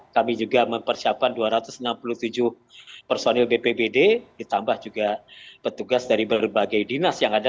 kami juga mempersiapkan dua ratus enam puluh tujuh personil bpbd ditambah juga petugas dari berbagai dinas yang ada